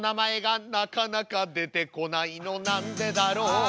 「なかなか出てこないのなんでだろう」